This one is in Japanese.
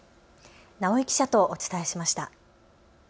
直井記者とお伝えしました。